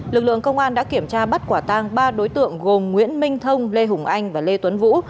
lực lượng công an đã kiểm tra bắt quả tang ba đối tượng gồm nguyễn minh thông lê hùng anh và lê tuấn vũ